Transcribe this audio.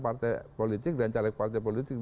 partai politik dan caleg partai politik